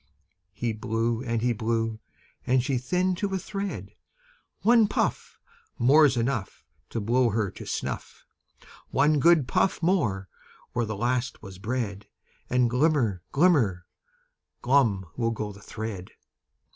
He blew and he blew, and she thinned to a thread. "One puff More's enough To blow her to snuff! One good puff more where the last was bred, And glimmer, glimmer, glum will go the thread!"